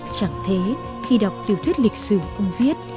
chẳng thế khi đọc tiểu thuyết lịch sử ông viết